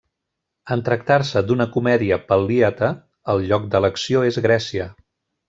En tractar-se d'una comèdia pal·liata, el lloc de l'acció és Grècia.